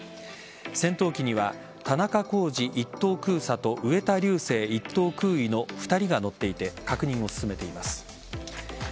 戦闘機には田中公司１等空佐と植田竜生１等空尉の２人が乗っていて確認を進めています。